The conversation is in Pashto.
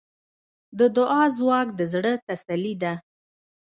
د دعا ځواک د زړۀ تسلي ده.